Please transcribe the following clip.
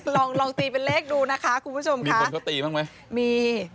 ลองลองตีเป็นเลขดูนะคะคุณผู้ชมค่ะคนเขาตีบ้างไหมมี